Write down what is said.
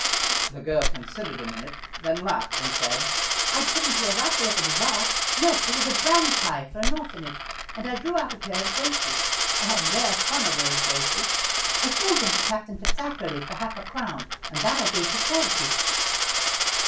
The girl considered a minute, then laughed, and said: "I put into a raffle at a bazaar no, it was a bran pie for an orphanage and I drew out a pair of braces. I had rare fun over those braces, I sold them to Captain Fitzakerly for half a crown, and that I gave to the charity."